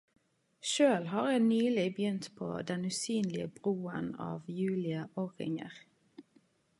Sjølv har eg nyleg begynt på Den usynlige broen av Julie Orringer.